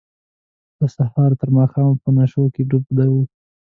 له سهاره تر ماښامه په نشو کې ډوب وه.